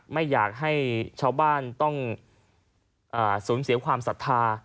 ไม่อยากให้ชาวบ้านต้องสูญเสียความศรัทธา